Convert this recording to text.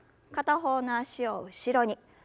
片方の脚を後ろに。